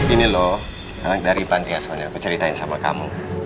ini loh anak dari pantai soalnya aku ceritain sama kamu